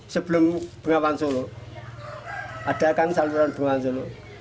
sebelum bengawan solo ada kan saluran bunga solo